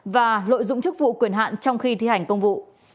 và lợi dụng chức vụ quyền hạn trong khi thi hành công vụ